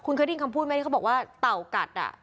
เจอนี่ก็บอกว่าเต่ากัดอ่ะ